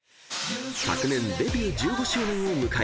［昨年デビュー１５周年を迎え